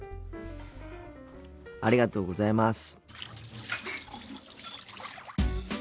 ありがとうございます。